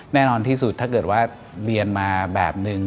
แน่นอนที่สุดถ้าเกิดว่าเรียนมาแบบนึง